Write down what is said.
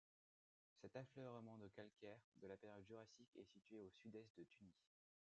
Cet affleurement de calcaire de la période jurassique est situé au sud-est de Tunis.